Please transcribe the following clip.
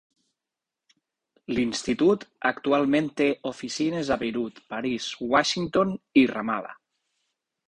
L'Institut actualment té oficines a Beirut, París, Washington i Ramallah.